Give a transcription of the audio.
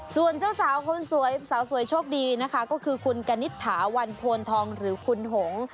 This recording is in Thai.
ส่วนเจ้าสาวคนสวยสาวสวยโชคดีนะคะก็คือคุณกณิตถาวันโพนทองหรือคุณหง